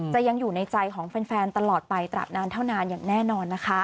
ยังอยู่ในใจของแฟนตลอดไปตราบนานเท่านานอย่างแน่นอนนะคะ